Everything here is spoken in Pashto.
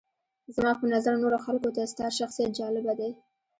زما په نظر نورو خلکو ته ستا شخصیت جالبه دی.